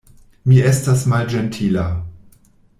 Mi estas malĝentila.